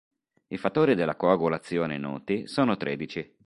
I fattori della coagulazione noti sono tredici.